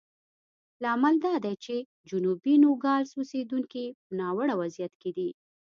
لامل دا دی چې جنوبي نوګالس اوسېدونکي په ناوړه وضعیت کې دي.